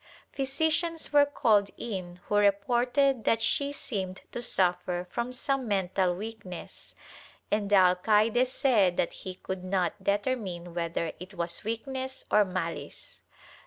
Physicians were called in, who reported that she seemed to suffer from some mental weakness, and the alcaide said that he could not determine whether it was weakness or malice.